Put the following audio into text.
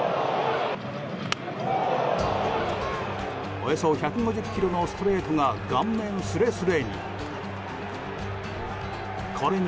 およそ１５０キロのストレートが顔面すれすれに。